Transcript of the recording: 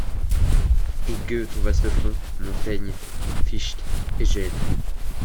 Et Goethe au vaste front, Montaigne, Fichte, Hégel